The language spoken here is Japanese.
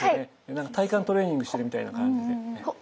何か体幹トレーニングしてるみたいな感じで。